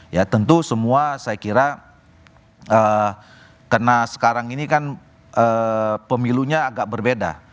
ya tentu semua saya kira karena sekarang ini kan pemilunya agak berbeda